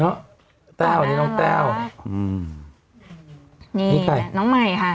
แม่นะแล้วเห็นหนังเล่นแสดงละครอยู่เลย